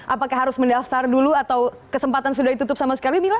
apakah harus mendaftar dulu atau kesempatan sudah ditutup sama sekali mila